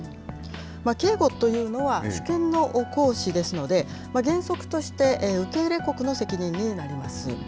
警護というのは主権の行使ですので、原則として、受け入れ国の責任になります。